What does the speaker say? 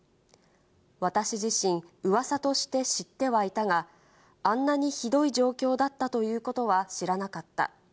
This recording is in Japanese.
私自身、うわさとして知ってはいたが、あんなにひどい状況だったということは知らなかった。